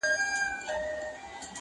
د توري ټپ ښه کېږي، د ژبي ټپ نه ښه کېږي.